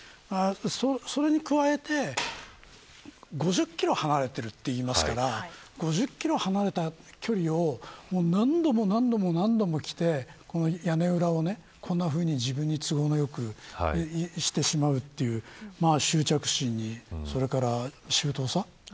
それに加えて５０キロ離れてるっていいますから５０キロ離れた距離を何度も何度も何度も来て屋根裏をこんなふうに自分の都合のよくしてしまうという執着心に、それから周到さ。